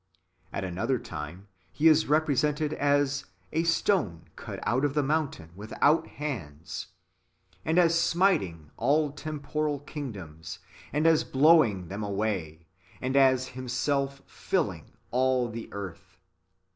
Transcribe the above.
"^ At another time [He is represented as] " a stone cut out of the mountain without hands/' ^ and as smiting all temporal kingdoms, and as blow ing them away {yentilans ea), and as Himself filling all the earth.